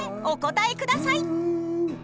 お答えください！